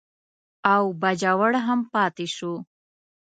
او باجوړ هم پاتې شو.